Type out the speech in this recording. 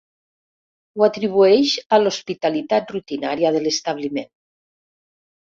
Ho atribueix a l'hospitalitat rutinària de l'establiment.